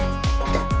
om jin gak boleh ikut